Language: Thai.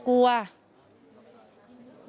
กลัวว่า